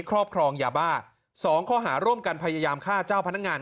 ครอบครองยาบ้า๒ข้อหาร่วมกันพยายามฆ่าเจ้าพนักงาน